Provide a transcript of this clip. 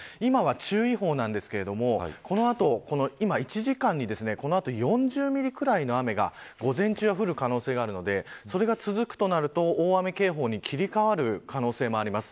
今は注意報ですが、この後１時間に、この後４０ミリくらいの雨が午前中は降る可能性があるのでそれが続くとなると大雨警報に切り替わる可能性もあります。